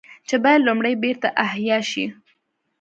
چې بايد لومړی بېرته احياء شي